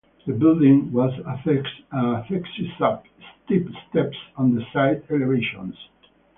The building was accessed up steep steps on the side elevations.